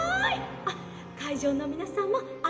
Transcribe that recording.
あっかいじょうのみなさんもありがとう！